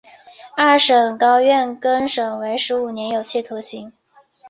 二审高院更审为十五年有期徒刑。